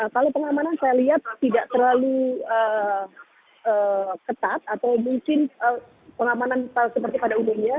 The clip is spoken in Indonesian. kalau pengamanan saya lihat tidak terlalu ketat atau mungkin pengamanan seperti pada umumnya